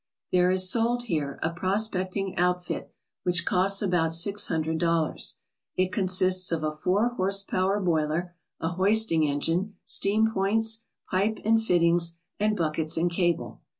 There is sold here a prospecting outfit which costs about six hundred dollars. It consists of a four horsepower boiler, a hoisting engine, steam points, pipe and fittings, and buckets and cable.